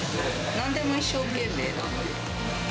なんでも一生懸命なので。